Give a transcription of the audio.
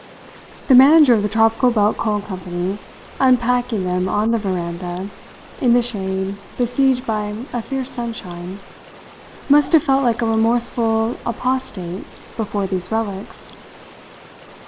The manager of the Tropical Belt Coal Company, unpacking them on the veranda in the shade besieged by a fierce sunshine, must have felt like a remorseful apostate before these relics.